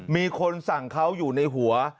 มีคนสั่งเขาอยู่ในหัว